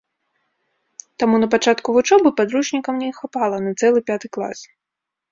Таму на пачатку вучобы падручнікаў не хапала на цэлы пяты клас.